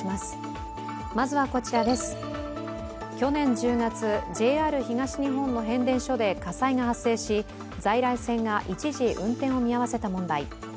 去年１０月、ＪＲ東日本の変電所で火災が発生し在来線が一時、運転を見合わせた問題。